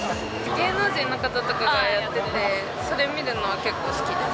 芸能人の方とかがやってて、それ見るのは結構好きです。